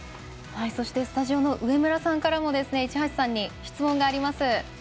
そしてスタジオの上村さんからも一橋さんに質問があります。